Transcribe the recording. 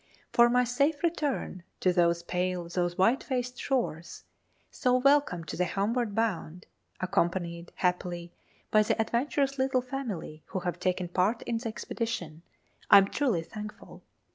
For my safe return to 'those pale, those white faced shores,' so welcome to the homeward bound, accompanied, happily, by the adventurous little family who have taken part in the expedition, I am truly thankful.